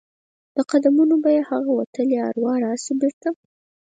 د قدمونو به یې هغه وتلي اروا راشي بیرته؟